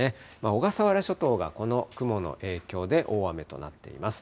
小笠原諸島がこの雲の影響で大雨となっています。